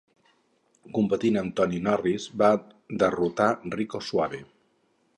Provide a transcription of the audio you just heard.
Competint com a Tony Norris va derrotar Rico Suave.